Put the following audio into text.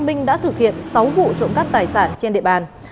minh đã thực hiện sáu vụ trộm cắp tài sản trên địa bàn